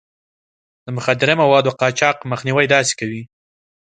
د مخدره موادو د قاچاق مخنيوی داسې کوي.